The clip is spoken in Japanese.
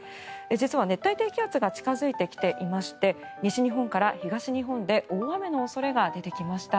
実は、熱帯低気圧が近付いてきていまして西日本から東日本で大雨の恐れが出てきました。